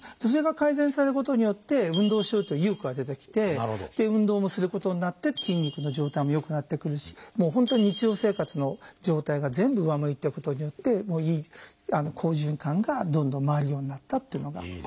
それが改善されることによって運動しようという意欲が出てきてで運動もすることになって筋肉の状態も良くなってくるしもう本当に日常生活の状態が全部上向いたことによって好循環がどんどん回るようになったっていうのが。